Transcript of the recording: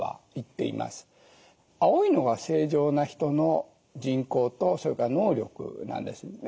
青いのが正常な人の人口とそれから能力なんですね。